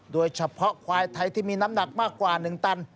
โดยเฉพาะควายไทยที่มีน้ำหนักมากกว่า๑ตัน